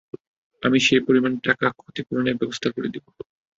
আমি সেই পরিমাণ টাকা ক্ষতিপূরণের ব্যবস্থা করে দিব।